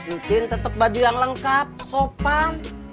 ntin tetep baju yang lengkap sopan